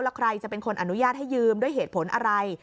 แล้วใครจะเป็นคนอนุญาตให้ยืมด้วยเหตุผลอะไร